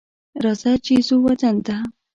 راځه چې ځو وطن ته